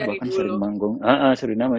bahkan seri nama